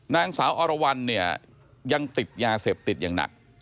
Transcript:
นางสาวอรวรรณเนี่ยยังติดยาเสพติดอย่างหนัก